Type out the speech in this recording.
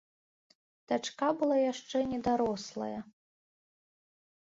Дачка была яшчэ недарослая.